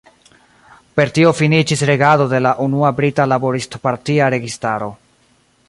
Per tio finiĝis regado de la unua brita Laborist-partia registaro.